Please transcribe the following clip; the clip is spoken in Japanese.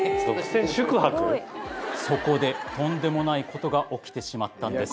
そこでとんでもないことが起きてしまったんです。